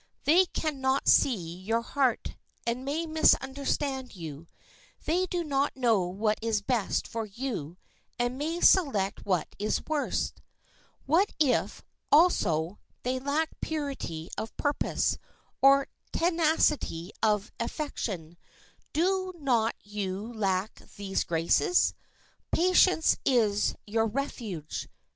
They can not see your heart, and may misunderstand you. They do not know what is best for you, and may select what is worst. What if, also, they lack purity of purpose or tenacity of affection; do not you lack these graces? Patience is your refuge.